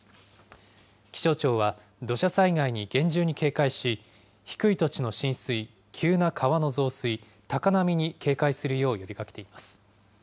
気象庁は土砂災害に厳重に警戒し、低い土地の浸水、急な川の増水、高波に警戒するよう呼びかけています。